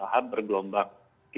mereka bertahap bergelombang